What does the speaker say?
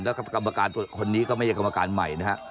แล้วกรรมการตัวคนนี้ก็ไม่ใช่กรรมการใหม่นะฮะ